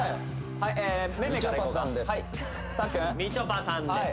はいさっくんみちょぱさんです